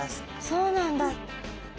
そうなんだ。